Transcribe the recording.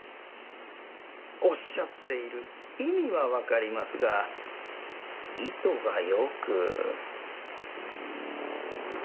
おっしゃっている意味はわかりますが意図がよく。